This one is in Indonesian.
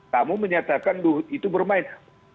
kamu menyatakan itu bermain